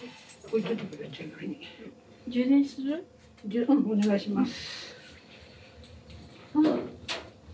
うんお願いします。